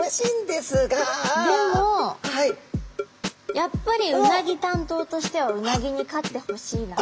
でもやっぱりウナギ担当としてはウナギに勝ってほしいな。